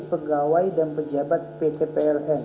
pegawai dan pejabat pt pln